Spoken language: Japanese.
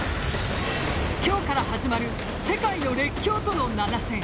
今日から始まる世界の熱狂との７戦。